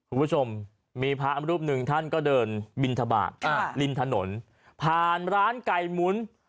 คุณผู้ชมมีพระรูปหนึ่งท่านก็เดินบินทบาทริมถนนผ่านร้านไก่หมุน